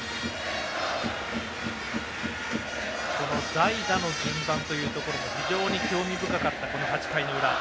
代打の順番というところも非常に興味深かった８回の裏。